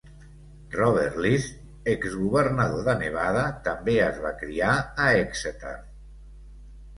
Robert List, exgovernador de Nevada, també es va criar a Exeter.